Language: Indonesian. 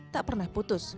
tak pernah putus